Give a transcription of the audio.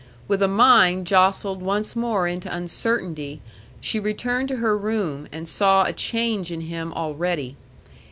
With a mind jostled once more into uncertainty, she returned to her room, and saw a change in him already.